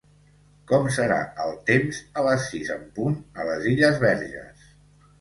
Com serà el temps a les sis en punt a les Illes Verges?